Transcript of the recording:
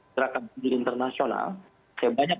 terakan buruh internasional saya banyak